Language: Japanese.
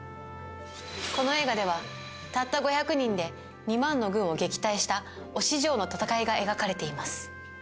この映画では、たった５００人で２万の軍を撃退した忍城の戦いが描かれています。